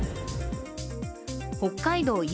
北海道岩